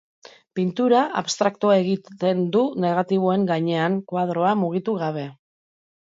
Pintura abstraktoa egiten du negatiboen gainean, koadroa mugitu gabe.